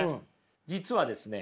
実はですね